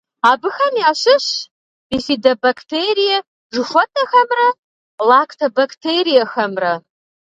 Абыхэм ящыщщ бифидобактерие жыхуэтӏэхэмрэ лактобактериехэмрэ.